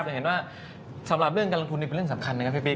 จะเห็นว่าสำหรับเรื่องการลงทุนนี่เป็นเรื่องสำคัญนะครับพี่ป๊